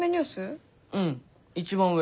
うん一番上。